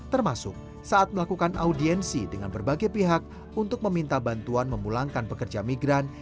termasuk saat melakukan audiensi dengan berbagai pihak untuk meminta bantuan memulangkan pekerja migran